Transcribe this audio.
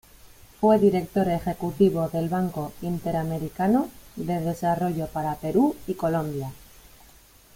Fue Director Ejecutivo del Banco Interamericano de Desarrollo para Perú y Colombia.